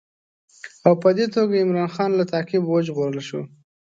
او په دې توګه عمرا خان له تعقیبه وژغورل شو.